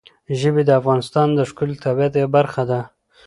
ژبې د افغانستان د ښکلي طبیعت یوه برخه ده.